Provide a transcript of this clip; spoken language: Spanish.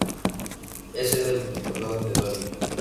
Es sede del condado de Ionia.